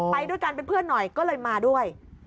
ไปด้วยกันเป็นเพื่อนหน่อยก็เลยมาด้วย